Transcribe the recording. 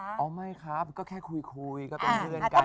อ๋อไม่ครับก็แค่คุยก็เป็นเพื่อนกัน